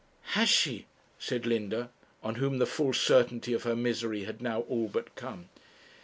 'Has she?' said Linda, on whom the full certainty of her misery had now all but come.